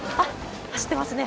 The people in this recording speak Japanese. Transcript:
走ってますね。